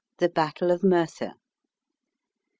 THE BATTLE OF MERTHYR.